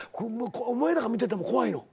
お前らが見てても怖いの？